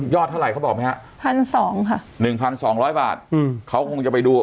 ยอดเท่าไรเขาบอกไหมฮะอันนี้ค่ะ๑๒๐๐บาทเขาคงจะไปดู